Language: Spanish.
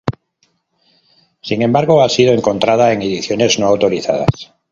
Sin embargo, ha sido encontrada en ediciones no autorizadas.